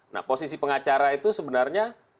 nah posisi pengacara itu sebenarnya